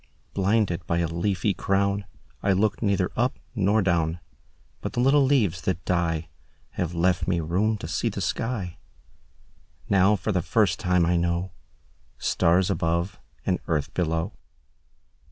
Blinded by a leafy crownI looked neither up nor down—But the little leaves that dieHave left me room to see the sky; Now for the first time I knowStars above and earth below.